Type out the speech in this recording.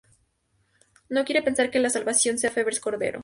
No quiero pensar que la salvación sea Febres Cordero.